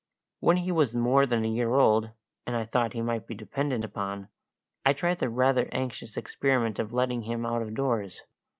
When he was more than a year old, and I thought he might be depended upon, I tried the rather anxious experiment of letting him out of doors.